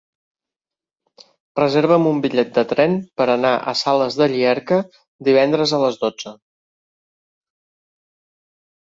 Reserva'm un bitllet de tren per anar a Sales de Llierca divendres a les dotze.